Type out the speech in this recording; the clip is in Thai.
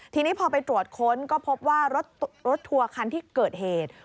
ทีนี้พอไปตรวจค้นก็พบว่ารถทัวร์คันที่เกิดเหตุ